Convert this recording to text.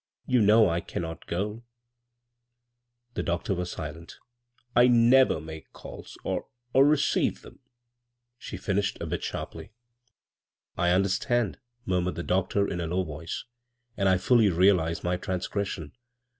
" You know I cannot go 1 " The doctor was silent " I never make calls, or — or receive them," ihe finished a bit sharply. " I understand," murmured the doctor in a ow voice, " and I fully realize my transgres ion.